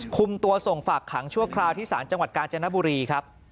คุมตัวส่งฝากขังชั่วคราวที่ศาลจังหวัดกาญจนบุรีครับ